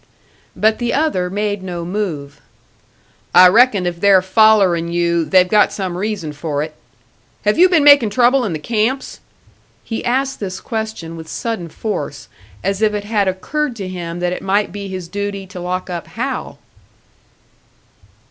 But the other made no move. "I reckon if they're follerin' you, they've got some reason for it. Have you been makin' trouble in the camps?" He asked this question with sudden force, as if it had occurred to him that it might be his duty to lock up Hal.